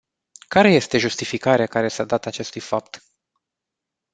Care este justificarea care s-a dat acestui fapt?